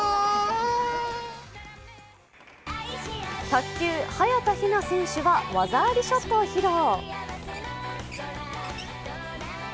卓球・早田ひな選手が技ありショットを披露。